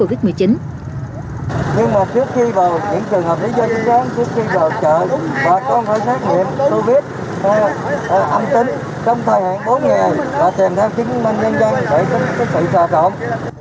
nhưng mà trước khi vào những trường hợp lý do chính xác trước khi vào chợ bà con phải xét nghiệm covid một mươi chín âm tính trong thời hạn bốn ngày và tìm theo chứng minh nhân dân để chứng minh sự sở tổng